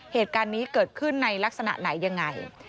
เหตุการณ์นี้เกิดขึ้นในลักษณะไหนยังไง